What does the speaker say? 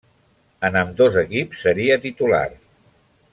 En ambdós equips seria titular.